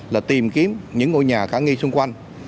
là tìm kiếm những ngôi nhà khả nghi xung quanh